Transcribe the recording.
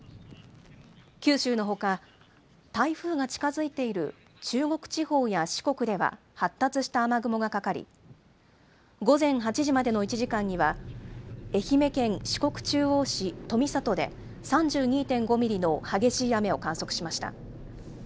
九州のほか、台風が近づいている中国地方や四国では発達した雨雲がかかり、午前８時までの１時間には、愛媛県四国中央市富郷で３２．５ミリの激しい雨を観測しました。